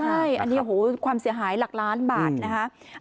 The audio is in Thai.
ใช่อันนี้โอ้โหความเสียหายหลักล้านบาทนะคะ